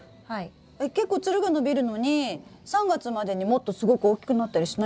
えっ結構つるが伸びるのに３月までにもっとすごく大きくなったりしないんですか？